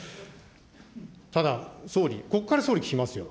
ただ総理、ここから総理聞きますよ。